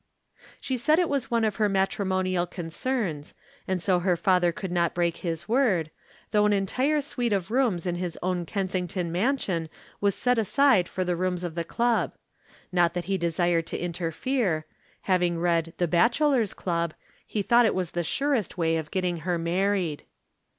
She said it was one of her matrimonial concerns, and so her father could not break his word, though an entire suite of rooms in his own Kensington mansion was set aside for the rooms of the Club. Not that he desired to interfere. Having read "The Bachelors' Club," he thought it was the surest way of getting her married.